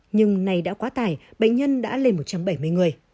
nhưng nay đã quá tải bệnh nhân đã lên một trăm bảy mươi người